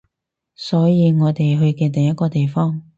所以我哋去嘅第一個地方